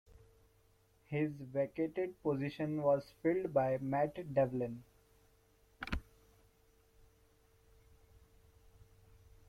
His vacated position was filled by Matt Devlin.